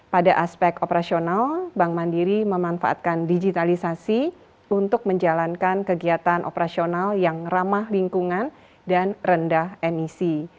pada aspek operasional bank mandiri memanfaatkan digitalisasi untuk menjalankan kegiatan operasional yang ramah lingkungan dan rendah emisi